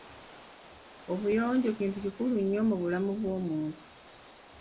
Obuyonjo kintu kikulu nnyo mu bulamu bw'omuntu.